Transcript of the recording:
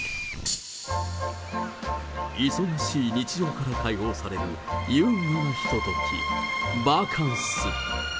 忙しい日常から解放される優雅なひととき、バカンス。